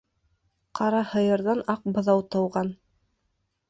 Ҡара һыйырҙан аҡ быҙау тыуған.